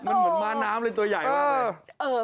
ำล้าน้ำตัวใหญ่กว่าเลย